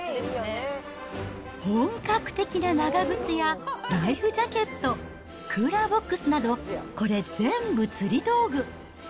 本格的な長靴やライフジャケット、クーラーボックスなど、これ全部釣り道具。